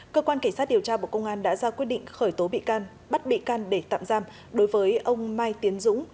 cơ quan cảnh sát điều tra bộ công an đã ra quyết định khởi tố bị can bắt bị can để tạm giam đối với ông mai tiến dũng